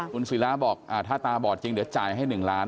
คุณศิราบอกถ้าตาบอดจริงเดี๋ยวจ่ายให้๑ล้าน